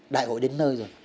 đại hội đến nơi rồi